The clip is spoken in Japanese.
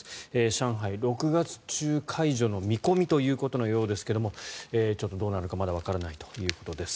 上海、６月中解除の見込みということのようですがちょっとどうなるかまだわからないということです。